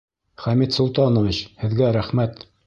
— Хәмит Солтанович, һеҙгә рәхмәт